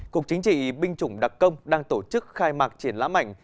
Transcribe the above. cục chính trị binh chủng đặc công đang tổ chức khai mạc triển lãm ảnh